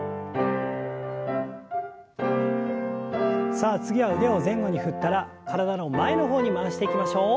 さあ次は腕を前後に振ったら体の前の方に回していきましょう。